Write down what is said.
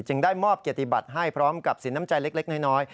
ได้มอบเกียรติบัติให้พร้อมกับสินน้ำใจเล็กน้อย